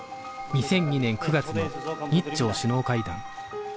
２００２年９月の日朝首脳会談